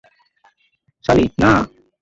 সালি, না!